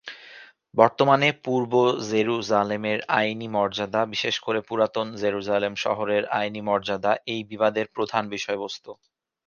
বর্তমানে পূর্ব জেরুসালেমের আইনি মর্যাদা, বিশেষ করে পুরাতন জেরুসালেম শহরের আইনি মর্যাদা এই বিবাদের প্রধান বিষয়বস্তু।